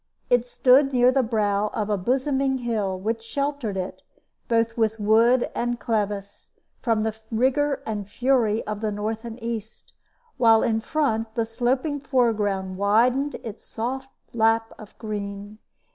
It stood near the brow of a bosoming hill, which sheltered it, both with wood and clevice, from the rigor and fury of the north and east; while in front the sloping foreground widened its soft lap of green.